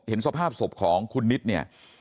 เห็นสภาพศพของคุณนิดเนี่ย